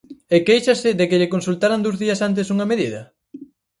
¿E quéixase de que lle consultaran dous días antes unha medida?